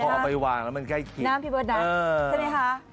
เอาไปวางแล้วมันใกล้เคียงน้ำพี่เบิร์ตนะใช่ไหมคะ